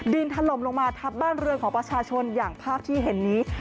ถล่มลงมาทับบ้านเรือนของประชาชนอย่างภาพที่เห็นนี้